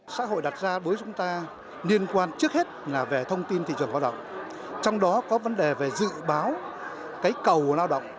xã hội đặt ra đối với chúng ta liên quan trước hết là về thông tin thị trường lao động trong đó có vấn đề về dự báo cái cầu lao động